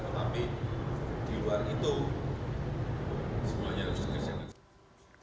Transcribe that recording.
tetapi di luar itu semuanya harus dikerjakan